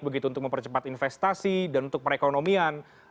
begitu untuk mempercepat investasi dan untuk perekonomian